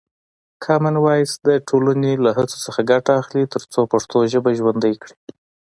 کامن وایس د ټولنې له هڅو څخه ګټه اخلي ترڅو پښتو ژبه ژوندۍ کړي.